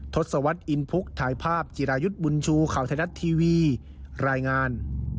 ทศวรรษอินพุกถ่ายภาพจิรายุทธ์บุญชูข่าวไทยรัฐทีวีรายงาน